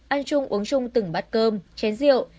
ăn chung uống chung từng bát cơm chén rượu